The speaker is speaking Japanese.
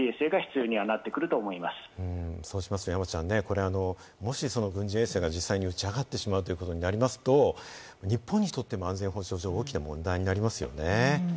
そうなってくると、山ちゃん、軍事衛星が実際に打ち上がってしまうことになると日本にとっても安全保障上、大きな問題となってきますよね。